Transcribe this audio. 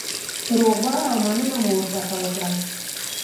روغبړ او مننه مو ورڅخه وکړه.